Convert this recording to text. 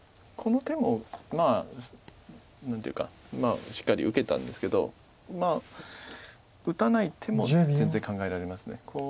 この手もまあ何ていうかしっかり受けたんですけどまあ打たない手も全然考えられます。